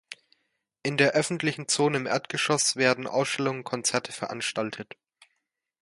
In der öffentlichen Zone im Erdgeschoss werden Ausstellungen und Konzerte veranstaltet.